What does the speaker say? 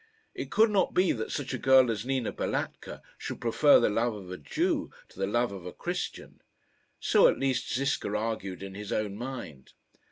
It could not be that such a girl as Nina Balatka should prefer the love of a Jew to the love of a Christian. So at least Ziska argued in his own mind.